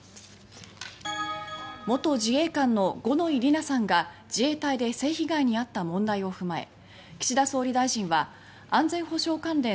元自衛官の五ノ井里奈さんが自衛隊で性被害にあった問題を踏まえ岸田総理大臣は安全保障関連